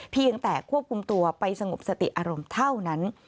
เพียงแต่ควบคุมตัวไปสงบสติอารมณ์เท่านั้น